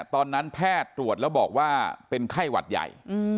แพทย์ตรวจแล้วบอกว่าเป็นไข้หวัดใหญ่